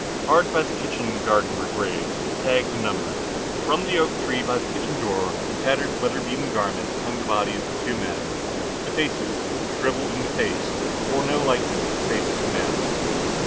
Hard by the kitchen garden were graves, tagged and numbered. From the oak tree by the kitchen door, in tattered, weatherbeaten garments, hung the bodies of two men. The faces, shriveled and defaced, bore no likeness to the faces of men.